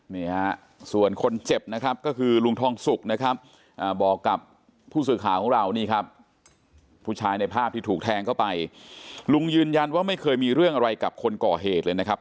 นี่ฮะส่วนคนเจ็บนะครับก็คือลุงทองสุกนะครับบอกกับผู้สื่อข่าวของเรานี่ครับผู้ชายในภาพที่ถูกแทงเข้าไปลุงยืนยันว่าไม่เคยมีเรื่องอะไรกับคนก่อเหตุเลยนะครับ